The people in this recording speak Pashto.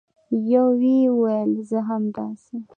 یوې وویل: زه همداسې